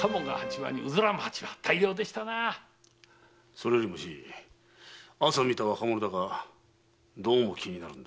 それよりも朝見た若者だがどうも気になるのだ。